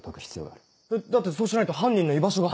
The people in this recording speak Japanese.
だってそうしないと犯人の居場所が。